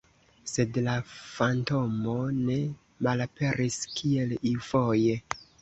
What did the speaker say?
Sed la fantomo ne malaperis, kiel iufoje.